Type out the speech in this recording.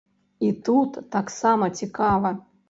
І тут таксама цікава.